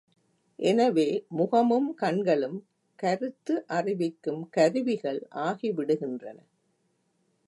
எனவே முகமும் கண்களும் கருத்து அறிவிக்கும் கருவிகள் ஆகிவிடுகின்றன.